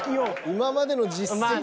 今までの実績も。